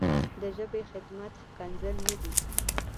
د ژبې خدمت ښکنځل نه دي نه.